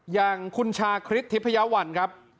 อย่างคุณชาคริสทิพยาวัลครับ